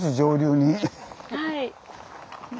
はい。